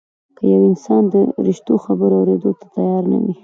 که يو انسان د زشتو خبرو اورېدو ته تيار نه وي.